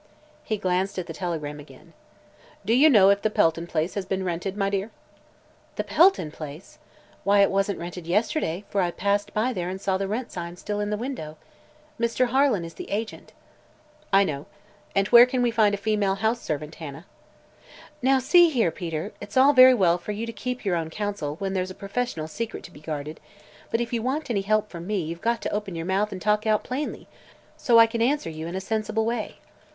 He glanced at the telegram again. "Do you know if the Pelton place has been rented, my dear?" "The Pelton place? Why, it wasn't rented yesterday, for I passed by there and saw the rent sign still in the window. Mr. Harlan is the agent." "I know. And where can we find a female house servant, Hannah?" "Now, see here, Peter; it's all very well for you to keep your own counsel, when there's a professional secret to be guarded, but if you want any help from me you've got to open your mouth and talk out plainly, so I can answer you in a sensible way."